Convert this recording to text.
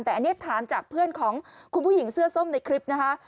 แต่อันนี้ถามจากเพื่อนของคุณผู้หญิงเสื้อส้มในคลิปนะคะ